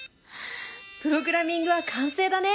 プログラミングは完成だね！